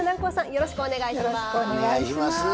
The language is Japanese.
よろしくお願いします。